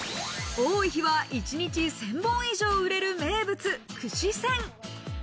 多い日は一日１０００本以上売れる名物・串せん。